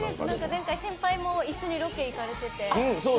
前回、先輩も一緒にロケ行かれてて。